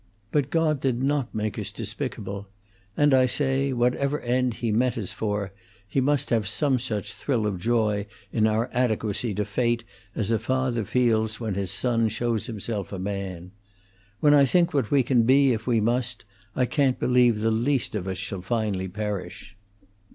But God did not make us despicable, and I say, whatever end He meant us for, He must have some such thrill of joy in our adequacy to fate as a father feels when his son shows himself a man. When I think what we can be if we must, I can't believe the least of us shall finally perish."